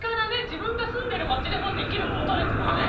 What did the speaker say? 自分が住んでる町でもできることですもんね。